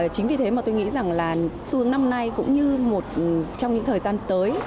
chính vì thế mà tôi nghĩ rằng là xu hướng năm nay cũng như trong những thời gian tới